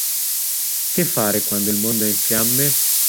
Che fare quando il mondo è in fiamme?